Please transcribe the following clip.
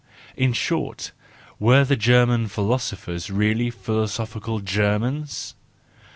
In short, were the German philosophers really philo¬ sophical Germans